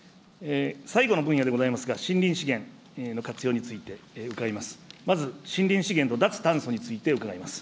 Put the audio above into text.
最後の分野でございますが、森林資源の活用について伺います。